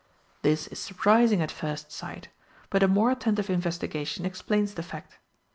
This is surprising at first sight, but a more attentive investigation explains the fact.